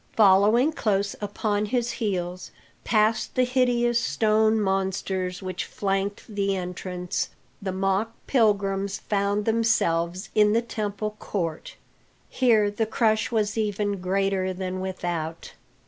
Following close upon his heels, past the hideous stone monsters which flanked the entrance, the mock pilgrims found themselves in the temple court. Here the crush was even greater than without.